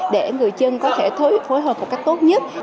để người dân có thể phối hợp một cách tốt nhất